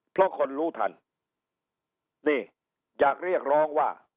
เพราะคนรู้ทันนี่อยากเรียกร้องว่า